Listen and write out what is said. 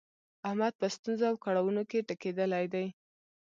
احمد په ستونزو او کړاونو کې ټکېدلی دی.